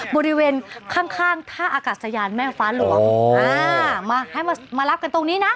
บริเวณข้างข้างท่าอากาศยานแม่ฟ้าหลวงอ่ามาให้มามารับกันตรงนี้นะ